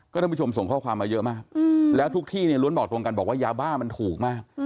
ท่านผู้ชมส่งข้อความมาเยอะมากแล้วทุกที่เนี่ยล้วนบอกตรงกันบอกว่ายาบ้ามันถูกมาก